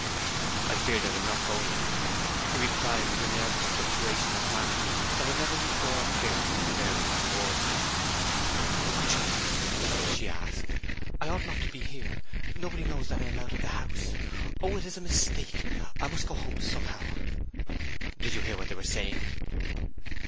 'I fear they will not go yet,' he replied, with a nervous fluctuation of manner that had never before appeared in his bearing towards her. 'What shall I do?' she asked. 'I ought not to be here; nobody knows that I am out of the house. Oh, this is a mistake! I must go home somehow.' 'Did you hear what they were saying?'